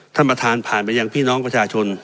ท่านประธานผ่านไปยังพี่น้องประชาชน